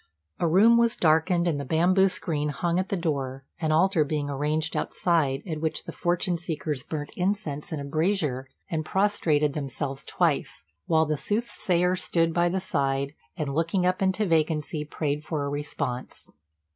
A room was darkened, and a bamboo screen hung at the door, an altar being arranged outside at which the fortune seekers burnt incense in a brazier, and prostrated themselves twice, while the soothsayer stood by the side, and, looking up into vacancy, prayed for a response.